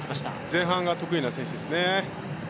前半が得意な選手ですね。